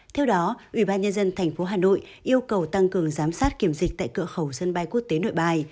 theo đó ubnd tp hà nội yêu cầu tăng cường giám sát kiểm dịch tại cửa khẩu sân bay quốc tế nội bài